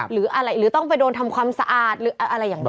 หรืออะไรหรือต้องไปโดนทำความสะอาดหรืออะไรอย่างนี้